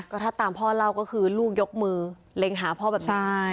ก็ถ้าตามพ่อเล่าก็คือลูกยกมือเล็งหาพ่อแบบนี้